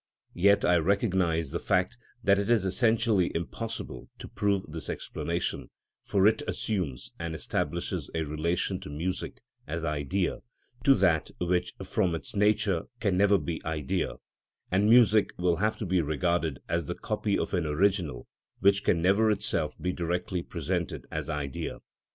Yet I recognise the fact that it is essentially impossible to prove this explanation, for it assumes and establishes a relation of music, as idea, to that which from its nature can never be idea, and music will have to be regarded as the copy of an original which can never itself be directly presented as idea.